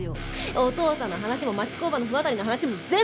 お父さんの話も町工場の不渡りの話も全部！